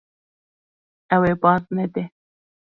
Ew ê baz nede.